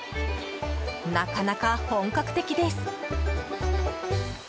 なかなか本格的です。